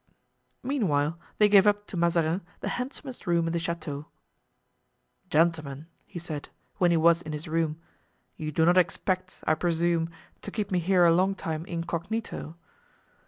Meanwhile, they gave up to Mazarin the handsomest room in the chateau. "Gentlemen," he said, when he was in his room, "you do not expect, I presume, to keep me here a long time incognito?"